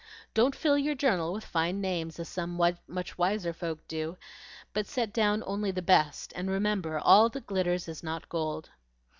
Don't fill your journal with fine names, as some much wiser folk do, but set down only the best, and remember, 'All that glitters is not gold.'"